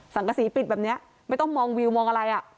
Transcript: กษีปิดแบบนี้ไม่ต้องมองวิวมองอะไรอ่ะ